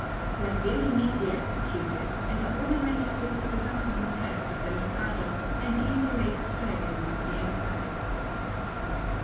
They are very neatly executed, and are ornamented with the chrysanthemum crest of the Mikado and the interlaced dragons of the Empire.